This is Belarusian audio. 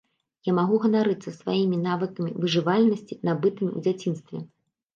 Я магу ганарыцца сваімі навыкамі выжывальнасці, набытымі ў дзяцінстве.